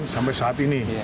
sampai saat ini